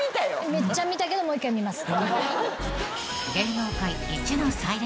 めっちゃ見たけどもう１回見ます。